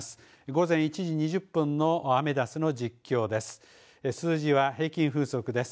午前１時２０分のアメダスの実況です。